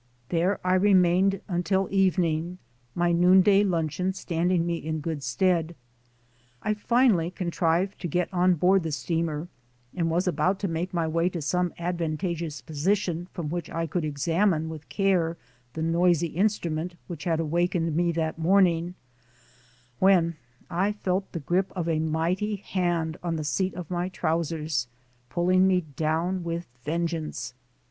There I remained until evening, my noonday luncheon standing me in good stead. I finally contrived to get on board the steamer and was about to make my way to some advantageous position from which I could examine with care the noisy instrument which had awakened me that morning, when I felt the grip of a mighty hand on the seat of my trousers, pulling me down with vengeance.